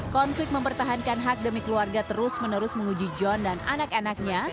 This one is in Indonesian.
konflik mempertahankan hak demi keluarga terus menerus menguji john dan anak anaknya